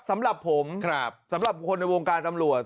สำหรับผมสำหรับคนในวงการตำรวจ